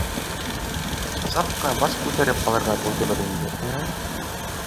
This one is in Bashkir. Саҡ ҡына баш күтәреп алырға булдығыҙ инде, ә?